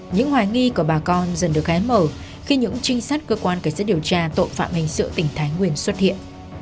những hoài nghi của bà con dần được hái mở khi những trinh sát cơ quan cảnh sát điều tra tội phạm hình sự tỉnh thái nguyên xuất hiện